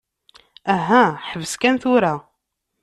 Aha, ḥbes kan tura.